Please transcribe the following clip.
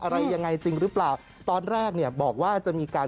อะไรยังไงจริงหรือเปล่าตอนแรกเนี่ยบอกว่าจะมีการ